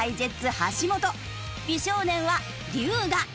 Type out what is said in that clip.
橋本美少年は龍我。